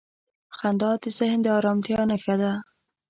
• خندا د ذهن د آرامتیا نښه ده.